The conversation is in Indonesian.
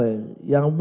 karena cerjaan kita